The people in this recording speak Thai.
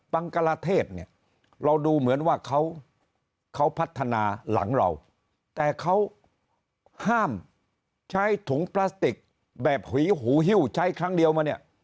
บังกลาเทศเนี่ยเราดูเหมือนว่าเขาพัฒนาหลังเราแต่เขาห้ามใช้ถุงพลาสติกแบบหุยหูฮิ้วใช้ครั้งเดียวมาเนี่ย